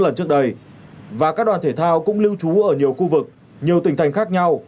lần trước đây và các đoàn thể thao cũng lưu trú ở nhiều khu vực nhiều tỉnh thành khác nhau